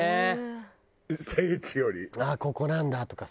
ああーここなんだとかさ。